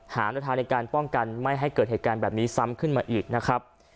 ในทางในการป้องกันไม่ให้เกิดเหตุการณ์แบบนี้ซ้ำขึ้นมาอีกนะครับ